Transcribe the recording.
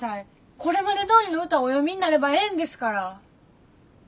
これまでどおりの歌お詠みになればええんですから。